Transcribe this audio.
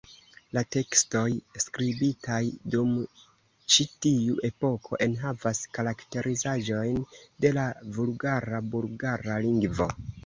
La tekstoj skribitaj dum ĉi tiu epoko enhavas karakterizaĵojn de la vulgara bulgara lingvo.